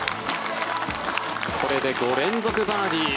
これで５連続バーディー。